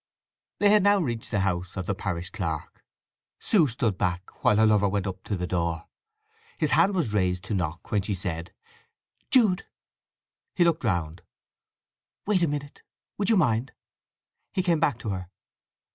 They had now reached the house of the parish clerk. Sue stood back, while her lover went up to the door. His hand was raised to knock when she said: "Jude!" He looked round. "Wait a minute, would you mind?" He came back to her.